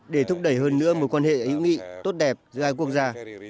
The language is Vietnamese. để thúc đẩy hơn nữa mối quan hệ hữu nghị tốt đẹp giữa hai quốc gia